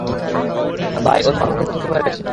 ভাই, ও তোমার মুখে থুথু মেরেছে।